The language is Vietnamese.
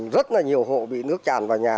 rất là nhiều hộ bị nước chàn vào nhà